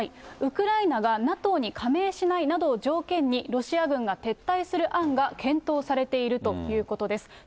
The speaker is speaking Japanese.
ウクライナがＮＡＴＯに加盟しないなどを条件に、ロシア軍が撤退する案が検討されているということです。